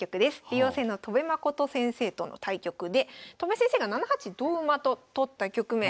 竜王戦の戸辺誠先生との対局で戸辺先生が７八同馬と取った局面。